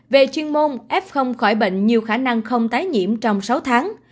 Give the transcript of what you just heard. về chuyên môn f khỏi bệnh nhiều khả năng không tái nhiễm trong sáu tháng